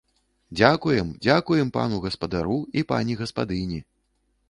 Дзякуем, дзякуем пану гаспадару і пані гаспадыні!